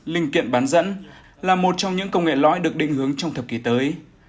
linh kiện bán dẫn là một trong những công nghệ lõi được định hướng trong thập kỷ tới